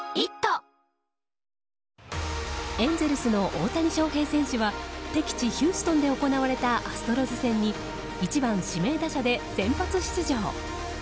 エンゼルスの大谷翔平選手は敵地ヒューストンで行われたアストロズ戦に１番指名打者で先発出場。